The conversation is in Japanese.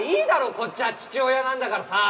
こっちは父親なんだからさ！